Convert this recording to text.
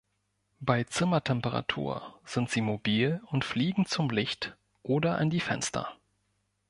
Bei Zimmertemperatur sind sie mobil und fliegen zum Licht oder an die Fenster.